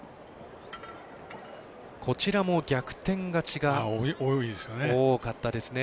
こちらも逆転勝ちが多かったですね。